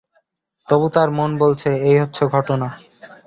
তবু তাঁর মন বলছে, এই হচ্ছে ঘটনা।